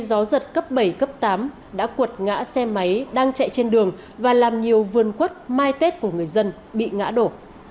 gió giật cấp bảy cấp tám đã cuột ngã xe máy đang chạy trên đường và làm nhiều vườn quất mai tết của người dân bị ngã đổ